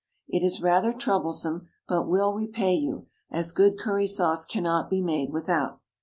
It is rather troublesome, but will repay you, as good curry sauce cannot be made without.